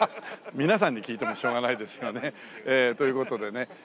皆さんに聞いてもしょうがないですよね。という事でね